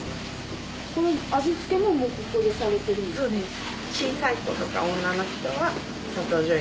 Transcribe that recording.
この味付けももうここでされてるんですか？